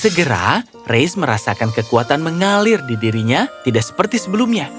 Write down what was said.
segera race merasakan kekuatan mengalir di dirinya tidak seperti sebelumnya